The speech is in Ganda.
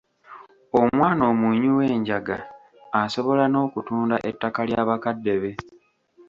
Omwana omunywi w’enjaga asobola n’okutunda ettaka lya bakadde be.